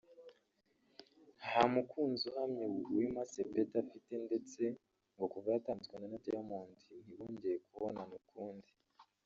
nta mukunzi uhamye Wema Sepetu afite ndetse ngo kuva yatandukana na Diamond ntibongeye kubonana ukundi